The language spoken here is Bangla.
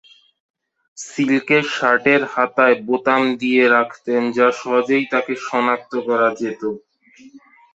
সিল্কের শার্টের হাতায় বোতাম দিয়ে রাখতেন যা সহজেই তাকে শনাক্ত করা যেতো।